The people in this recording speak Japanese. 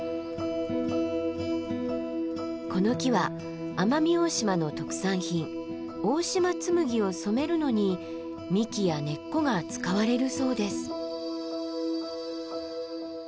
この木は奄美大島の特産品大島紬を染めるのに幹や根っこが使われるそうです。